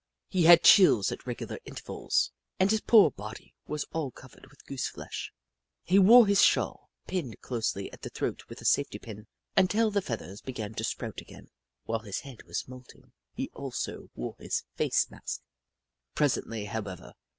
He had chills at regular intervals and his poor body was all covered with goose flesh. He wore his shawl, pinned closely at the throat with a safety pin, until the feathers began to sprout again. While his head was moulting, he also wore his face mask. Presently, however.